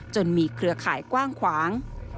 จนมีเครือข่ายกว้างขวาง